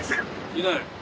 いない。